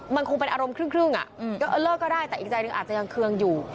มันคงเป็นอารมณ์ครึ่งก็เลิกก็ได้แต่อีกใจหนึ่งอาจจะยังเคืองอยู่